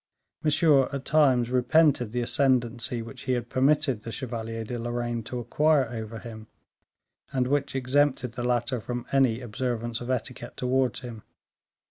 Monsieur at times repented the ascendency which he had permitted the Chevalier de Lorraine to acquire over him, and which exempted the latter from any observance of etiquette towards him.